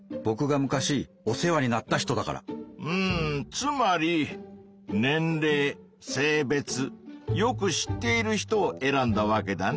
つまり年れい性別よく知っている人を選んだわけだね。